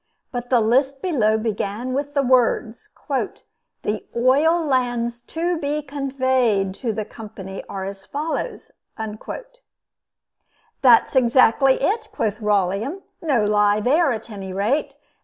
But the list below began with the words "the oil lands to be conveyed to the Company are as follows:" "that's exactly it" quoth Rolleum "no lie there, at any rate.